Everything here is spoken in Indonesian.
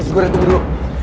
usus goreng tunggu dulu